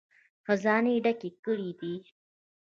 خزانې یې ډکې کړې دي.